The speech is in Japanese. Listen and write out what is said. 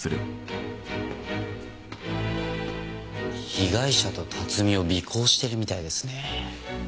被害者と辰巳を尾行してるみたいですね。